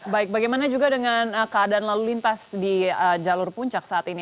baik bagaimana juga dengan keadaan lalu lintas di jalur puncak saat ini